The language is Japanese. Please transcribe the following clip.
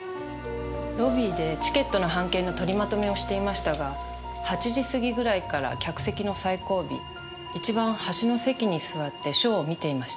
ロビーでチケットの半券の取りまとめをしていましたが８時過ぎくらいから客席の最後尾一番端の席に座ってショーを見ていました。